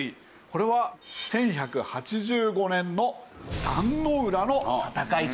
これは１１８５年の壇ノ浦の戦い。